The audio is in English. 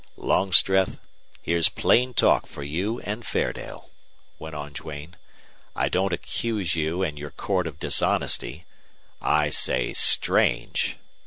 "Longstreth, here's plain talk for you and Fairdale," went on Duane. "I don't accuse you and your court of dishonesty. I say STRANGE!